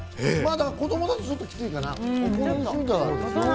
子供だとちょっときついかな。